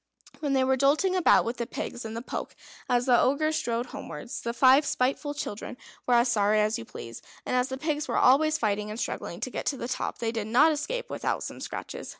When they were jolting about with the pigs in the poke as the Ogre strode homewards, the five spiteful children were as sorry as you please; and as the pigs were always fighting and struggling to get to the top, they did not escape without some scratches.